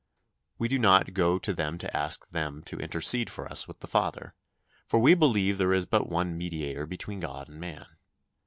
We do not go to them to ask them to intercede for us with the Father, for we believe there is but one Mediator between God and man.